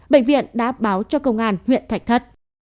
bệnh viện đã báo cho công an huyện thạch thất